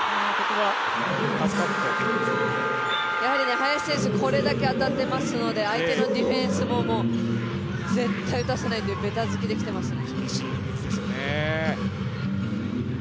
林選手、これだけ当たっていますので相手のディフェンスも絶対打たせないというベタづきで来てますね。